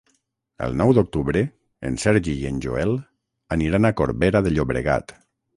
El nou d'octubre en Sergi i en Joel aniran a Corbera de Llobregat.